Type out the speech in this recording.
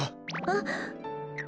あっ。